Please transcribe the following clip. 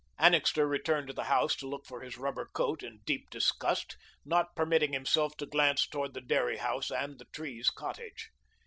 Annixter returned to the house to look for his rubber coat in deep disgust, not permitting himself to glance toward the dairy house and the Trees' cottage.